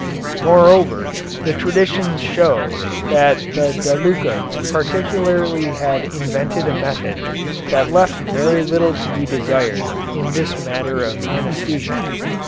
Moreover the traditions show that the Da Luccas particularly had invented a method that left very little to be desired in this matter of anæsthesia.